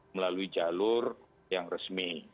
melalui jalur yang resmi